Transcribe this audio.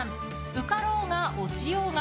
受かろうが落ちようが。